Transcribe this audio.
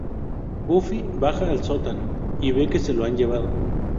Buffy baja al sótano y ve que se lo han llevado.